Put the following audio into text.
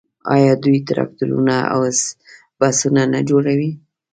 آیا دوی ټراکټورونه او بسونه نه جوړوي؟